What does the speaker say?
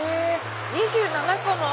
２７個も。